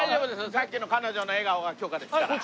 さっきの彼女の笑顔が許可ですから。